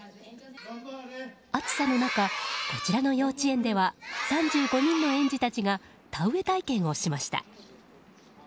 暑さの中、こちらの幼稚園では３５人の園児たちが田植え体験をしました。